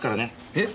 えっ！？